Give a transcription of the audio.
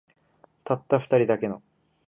たった二人だけの